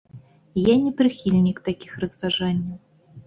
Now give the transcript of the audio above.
Я не прыхільнік такіх разважанняў.